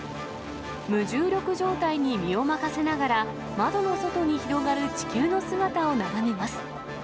無重力状態に身を任せながら、窓の外に広がる地球の姿を眺めます。